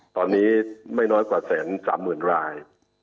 ตอนนี้ไม่น้อยกว่า๑๓๐๐๐ราย